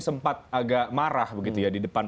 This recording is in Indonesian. sempat agak marah di depan